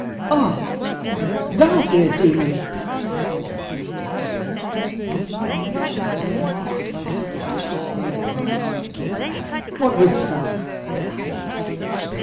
"Ah! thou here, demon!" cried the king, his lion nature overmastered by superstitious fear for a moment. "What wouldst thou?"